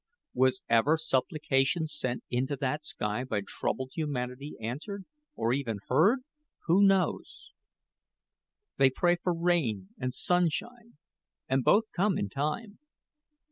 Was ever supplication sent into that sky by troubled humanity answered, or even heard? Who knows? They pray for rain and sunshine, and both come in time.